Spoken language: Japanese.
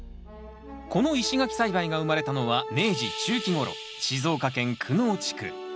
この石垣栽培が生まれたのは明治中期ごろ静岡県久能地区。